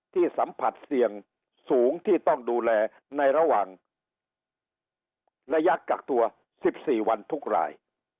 สัมผัสเสี่ยงสูงที่ต้องดูแลในระหว่างระยะกักตัว๑๔วันทุกราย